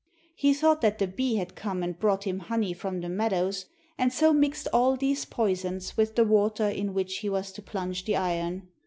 He thought that the bee had come and brought him honey from the meadows, and so mixed all these poisons with the water in which he was to plunge the iron.